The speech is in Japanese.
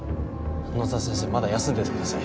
野沢先生まだ休んでいてください